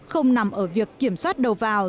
không nằm ở việc kiểm soát đầu vào